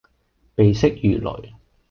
鼻息如雷